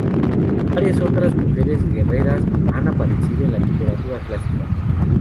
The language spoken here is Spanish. Varias otras mujeres guerreras han aparecido en la literatura clásica.